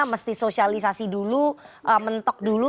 mesti sosialisasi dulu mentok dulu